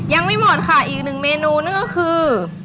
ยังไม่หมดค่ะอีกหนึ่งเมนูนั่นก็คือ